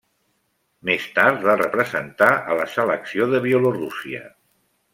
Més tard va representar a la selecció de Bielorússia.